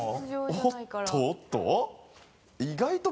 おっとおっと？